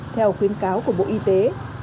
theo khuyến cáo của bộ y tế